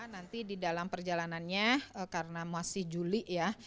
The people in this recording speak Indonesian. nanti di dalam perjalanannya karena masih juli ya